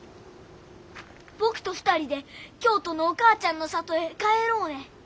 僕と２人で京都のお母ちゃんの里へ帰ろうえ。